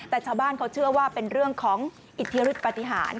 แต่ชาวบ้านเขาเชื่อว่าเป็นเรื่องของอิทธิฤทธปฏิหาร